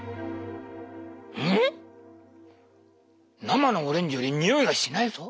生のオレンジより匂いがしないぞ？